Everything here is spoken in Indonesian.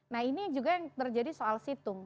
nah ini juga yang terjadi soal situng